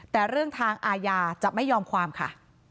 แต่เรื่องทางอาญาจะไม่ยอมความค่ะ